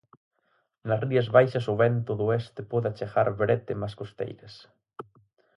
Nas Rías Baixas o vento do oeste pode achegar brétemas costeiras.